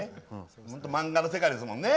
漫画の世界ですもんね。